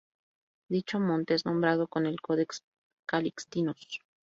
Dicho monte es nombrado en el Codex Calixtinus.